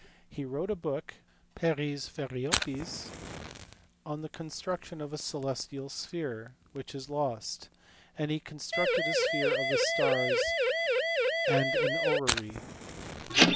He wrote a book, Ilepi o"<^)tpo7rotta9, on the construction of a celestial sphere, which is lost ; and he constructed a sphere of the stars, and an orrery.